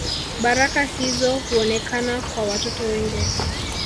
Baraka hizo huonekana kwa watoto wengi